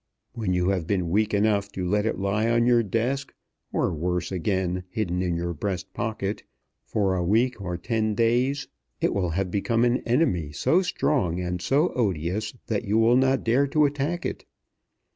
When you have been weak enough to let it lie on your desk, or worse again, hidden in your breast pocket, for a week or ten days, it will have become an enemy so strong and so odious that you will not dare to attack it.